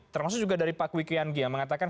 termasuk juga dari pak wikiyangi yang mengatakan